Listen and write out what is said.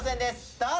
どうぞ！